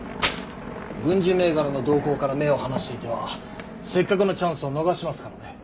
軍事銘柄の動向から目を離していてはせっかくのチャンスを逃しますからね。